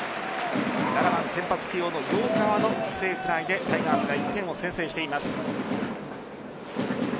７番、先発起用の陽川の犠牲フライで、タイガースが１点を先制しています。